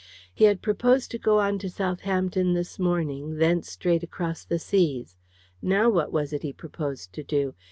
He had proposed to go on to Southampton this morning, thence straight across the seas. Now what was it he proposed to do?